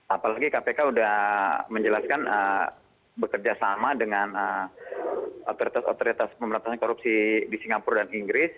apalagi kpk sudah menjelaskan bekerja sama dengan otoritas otoritas pemerintahan korupsi di singapura dan inggris